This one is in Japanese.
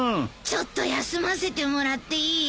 ちょっと休ませてもらっていい？